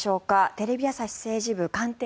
テレビ朝日政治部官邸